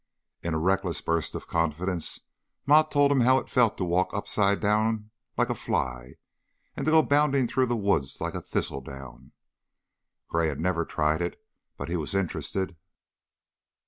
In a reckless burst of confidence Ma told him how it felt to walk upside down, like a fly, and to go bounding through the woods like a thistledown. Gray had never tried it, but he was interested.